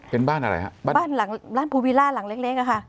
เป็นบ้านอะไรฮะบ้านหลังหลังหลังเล็กเล็กอะค่ะ